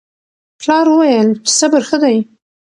پلار وویل چې صبر ښه دی.